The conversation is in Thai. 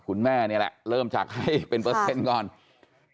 คุณแม่นี่แหละเริ่มจากให้เป็นเปอร์เซ็นต์ก่อน